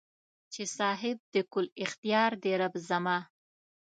چې صاحب د کل اختیار دې رب زما